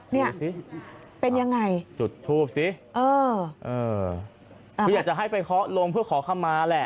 เนี่ยสิเป็นยังไงจุดทูปสิเออเออคืออยากจะให้ไปเคาะลงเพื่อขอคำมาแหละ